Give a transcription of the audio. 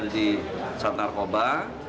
di saat narkoba